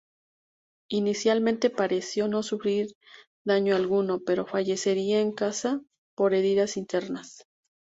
Inicialmente pareció no sufrir daño alguno, pero fallecería en su casa por heridas internas.